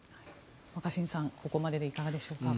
若新さん、ここまででいかがでしょうか。